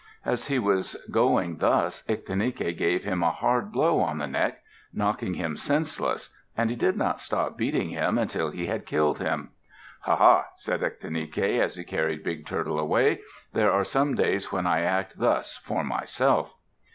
As he was going thus, Ictinike gave him a hard blow on the neck, knocking him senseless, and he did not stop beating him until he had killed him. "Ha, ha!" said Ictinike, as he carried Big Turtle away. "There are some days when I act thus for myself."